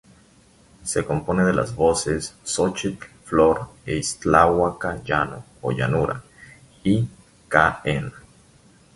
Se compone de las voces Xóchitl-Flor e Ixtlahuaca-Llano o llanura y Ca-en.